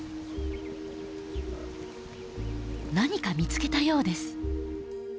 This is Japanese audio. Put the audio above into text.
何か見つけたようです。